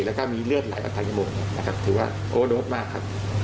และก็มีเลือดหลายอัตภัยมุมถือว่าโอ้โน้ตมากครับ